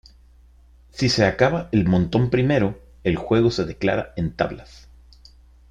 Si se acaba el montón primero, el juego se declara en tablas.